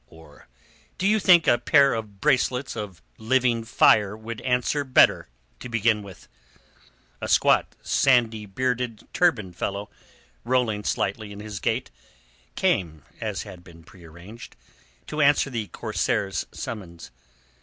Or do you think a pair of bracelets of living fire would answer better, to begin with?" A squat, sandy bearded, turbaned fellow, rolling slightly in his gait, came—as had been prearranged—to answer the corsair's summons.